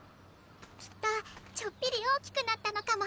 きっとちょっぴり大きくなったのかも。